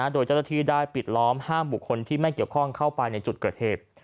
โดยเจ้าหน้าที่ได้ปิดล้อมห้ามบุคคลที่ไม่เกี่ยวข้องเข้าไปในจุดเกิดเหตุ